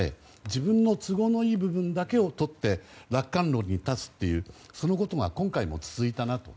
自分に都合のいい例だけをとって楽観論に立つという、そのことが今回も続いたなと。